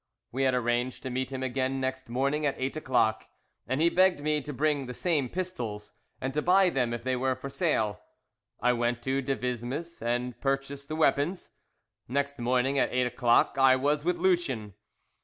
We had arranged to meet him again next morning at eight o'clock, and he begged me to bring the same pistols, and to buy them if they were for sale. I went to Devismes and purchased the weapons. Next morning, at eight o'clock I was with Lucien.